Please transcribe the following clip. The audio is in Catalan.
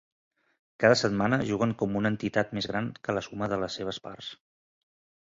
Cada setmana, juguen com una entitat més gran que la suma de les seves parts.